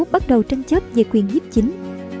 bắt đầu tranh chấp về quyền giếp chính